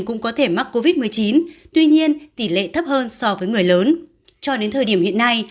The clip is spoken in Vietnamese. cũng có thể mắc covid một mươi chín tuy nhiên tỷ lệ thấp hơn so với người lớn cho đến thời điểm hiện nay